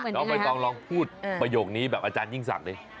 น้องใบตองลองพูดประโยคนี้แบบอาจารยิ่งศักดิ์